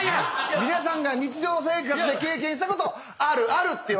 皆さんが日常生活で経験したことをあるあるって。